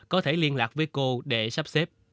có thể liên lạc với cô để xác định